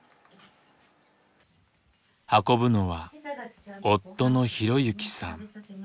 運ぶのは夫の浩行さん。